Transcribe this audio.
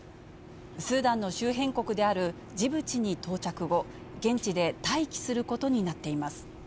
スーダンの周辺国であるジブチに到着後、現地で待機することになっています。